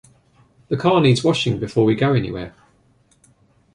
The car needs washing before we go anywhere.